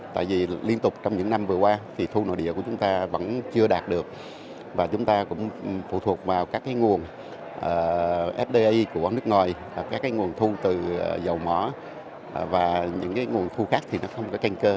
tại vì liên tục trong những năm vừa qua thì thu nội địa của chúng ta vẫn chưa đạt được và chúng ta cũng phụ thuộc vào các nguồn fdi của nước ngoài các nguồn thu từ dầu mỏ và những nguồn thu khác thì nó không có canh cơ